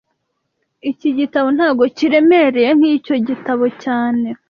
Iki gitabo ntago kiremereye nkicyo gitabo cyane